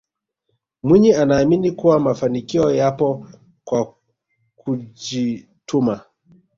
mwinyi anaamini kuwa mafanikio yapo kwa kujituma